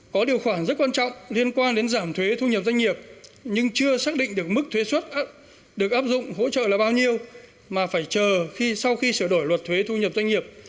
có điều khoản rất quan trọng liên quan đến giảm thuế thu nhập doanh nghiệp nhưng chưa xác định được mức thuế xuất được áp dụng hỗ trợ là bao nhiêu mà phải chờ khi sau khi sửa đổi luật thuế thu nhập doanh nghiệp